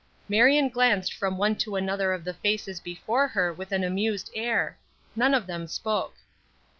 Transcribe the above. Marion glanced from one to another of the faces before her with an amused air; none of them spoke.